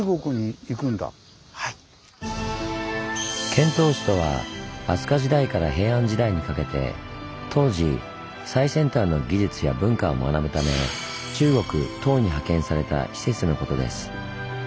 遣唐使遣唐使とは飛鳥時代から平安時代にかけて当時最先端の技術や文化を学ぶため中国唐に派遣された使節のことです。